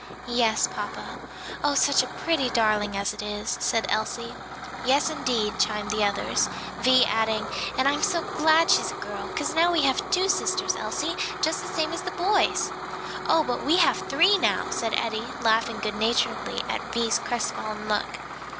"Yes, papa. Oh such a pretty darling as it is!" said Elsie. "Yes, indeed," chimed in the others; Vi adding, "and I'm so glad she's a girl: 'cause now we have two sisters, Elsie, just the same as the boys." "Oh, but we have three now!" said Eddie, laughing good naturedly at Vi's crestfallen look.